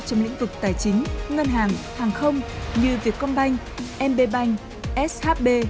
trong lĩnh vực tài chính ngân hàng hàng không như vietcombank mbbank shb